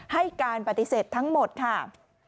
ให้การปฏิเสธทั้งหมดค่ะ